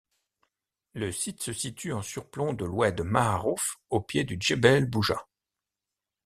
Le site se situe en surplomb de l'oued Maarouf, au pied du Djebel Bouja.